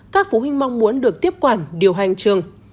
các phụ huynh mong muốn được tiếp quản điều hành trường